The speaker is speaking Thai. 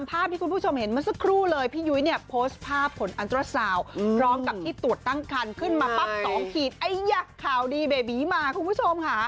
พร้อมกับที่ตรวจตั้งการขึ้นมาปั๊บ๒ขีดไอ้ยักษ์ข่าวดีเบบีมาคุณผู้ชมค่ะ